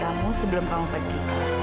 kamu sebelum kamu pergi